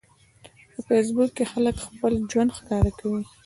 په فېسبوک کې خلک خپل ژوند ښکاره کوي.